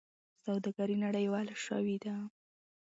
سوداګري نړیواله شوې ده.